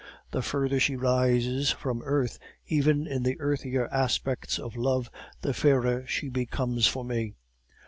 The further she rises from earth, even in the earthlier aspects of love, the fairer she becomes for me.